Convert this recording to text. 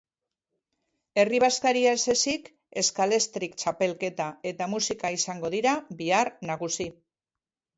Herri bazkaria ez ezik, scalextric txapelketa eta musika izango dira bihar nagusi.